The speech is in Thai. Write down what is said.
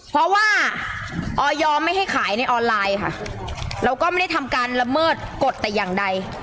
เพราะว่าออยไม่ให้ขายในออนไลน์ค่ะเราก็ไม่ได้ทำการละเมิดกฎแต่อย่างใด